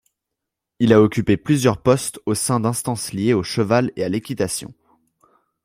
Il a occupé plusieurs postes au sien d'instances liées au cheval et à l'équitation.